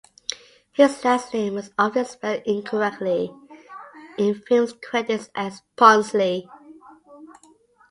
His last name was often spelled incorrectly in film credits as Punsley.